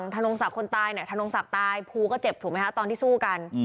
ธนงศักดิ์ตายภูก็เจ็บถูกมั้ยฮะตอนที่สู้กัน